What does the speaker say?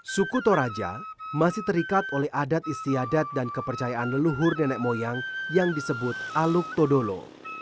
suku toraja masih terikat oleh adat istiadat dan kepercayaan leluhur nenek moyang yang disebut aluk todolo